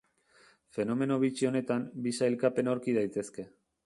Fenomeno bitxi honetan, bi sailkapen aurki daitezke.